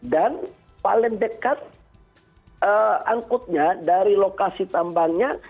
dan paling dekat angkutnya dari lokasi tambangnya